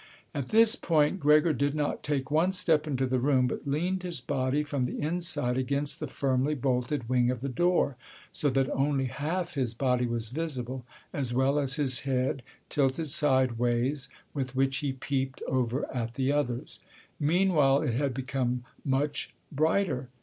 At this point Gregor did not take one step into the room, but leaned his body from the inside against the firmly bolted wing of the door, so that only half his body was visible, as well as his head, tilted sideways, with which he peeped over at the others. Meanwhile it had become much brighter.